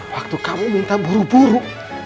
waktu kamu minta buru buru